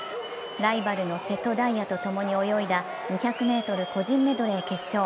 ライバルの瀬戸大也と共に泳いだ２００ｍ個人メドレー決勝。